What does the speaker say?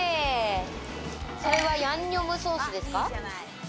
これはヤンニョムソースですか？